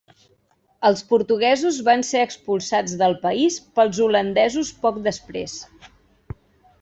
Els portuguesos van ser expulsats del país pels holandesos poc després.